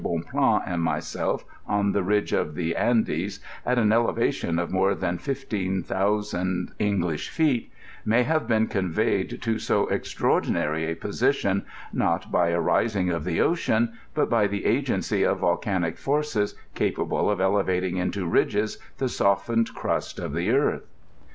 Bonplaod and myself on the lidge of the Andea, at an olevation of more than 15,000 Englidn feet, mliy ha^e been ceareyed to so oxtraordinafy « position, not by a rising of the ocean, but by the agency of volcanic fcHTces capable of elevating into ridges the ao&ened earust of the earth.